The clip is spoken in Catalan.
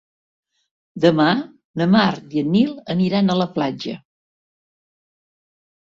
Demà na Mar i en Nil aniran a la platja.